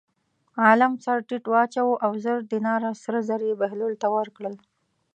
عالم سر ټیټ واچاوه او زر دیناره سره زر یې بهلول ته ورکړل.